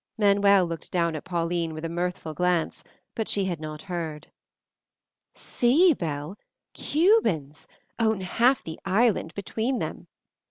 Manuel looked down at Pauline with a mirthful glance, but she had not heard. "See, Belle! Cubans; own half the island between them.